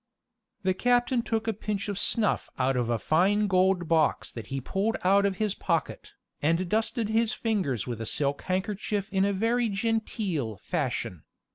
The captain took a pinch of snuff out of a fine gold box that he pulled out of his pocket, and dusted his fingers with a silk handkerchief in a very genteel fashion.